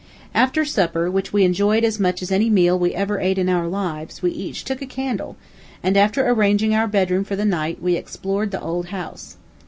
After supper, which we enjoyed as much as any meal we ever ate in our lives, we each took a candle, and after arranging our bedroom for the night, we explored the old house.